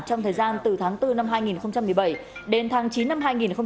trong thời gian từ tháng bốn năm hai nghìn một mươi bảy đến tháng chín năm hai nghìn một mươi tám